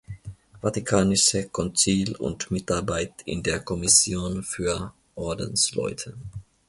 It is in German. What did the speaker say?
Vatikanische Konzil und Mitarbeit in der Kommission für Ordensleute.